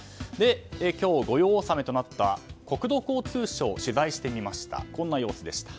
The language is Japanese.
今日、御用納めとなった国土交通省を取材してみました。